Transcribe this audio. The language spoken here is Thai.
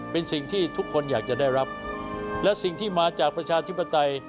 เป็นสิ่งที่ทุกคนอยากจะได้รับและสิ่งที่มาจากประชาธิปไตย